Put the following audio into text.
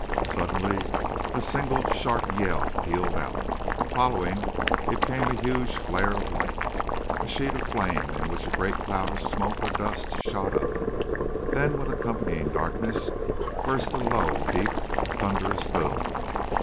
Suddenly a single sharp yell pealed out. Following it came a huge flare of light, a sheet of flame in which a great cloud of smoke or dust shot up. Then, with accompanying darkness, burst a low, deep, thunderous boom.